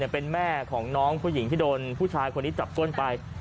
เป็นแม่ของน้องผู้หญิงที่โดนผู้ชายคนนี้จับก้นไป